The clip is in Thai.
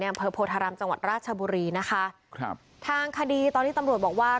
อำเภอโพธารามจังหวัดราชบุรีนะคะครับทางคดีตอนนี้ตำรวจบอกว่า